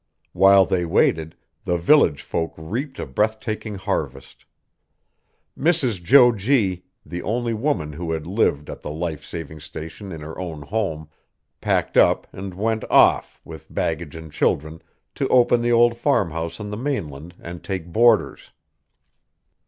While they waited, the village folk reaped a breathtaking harvest. Mrs. Jo G., the only woman who had lived at the Life Saving Station in her own home, packed up and went "off," with baggage and children, to open the old farmhouse on the mainland and take boarders.